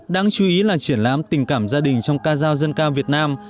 đáng chú ý là triển lãm tình cảm gia đình trong ca giao dân ca việt nam